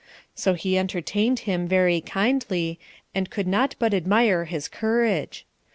So he entertained him very kindly, and could not but admire his courage.